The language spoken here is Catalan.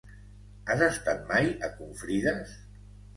Has estat mai a Confrides?